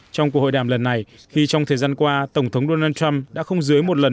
trong cuộc hội đàm lần này khi trong thời gian qua tổng thống donald trump đã không dưới một lần